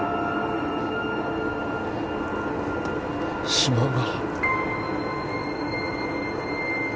島が。